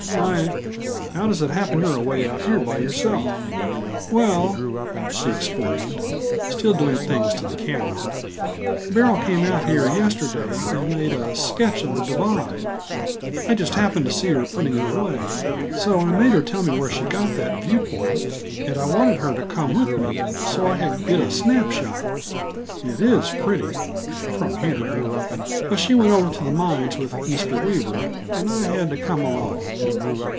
I how does it happen you are away out here by yourself?" "Well," she explained, still doing things to the camera, "Beryl came out here yesterday, and made a sketch of the divide; I just happened to see her putting it away. So I made her tell me where she got that view point, and I wanted her to come with me, so I could get a snap shot; it is pretty, from here. But she went over to the mines with Mr. Weaver, and I had to come alone.